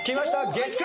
月９！